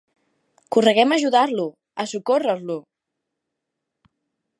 Correguem a ajudar-lo, a socórrer-lo.